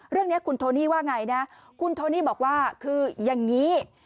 เรื่องนี้คุณโทนี่ว่าไงนะคุณโทนี่บอกว่าคืออย่างนี้